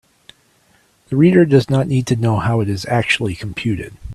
The reader does not need to know how it is actually computed.